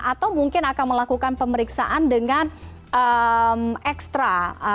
atau mungkin akan melakukan pemeriksaan dengan ekstra